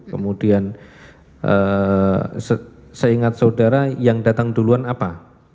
kemudian saya ingat saudara yang datang duluan apa